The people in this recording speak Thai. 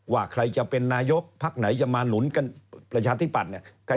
ว่าใครจะเป็นนายกพักไหนจะมาหนุนกันประชาธิปัตย์เนี่ย